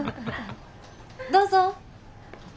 どうぞ。